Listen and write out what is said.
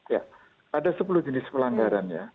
ya ada sepuluh jenis pelanggaran ya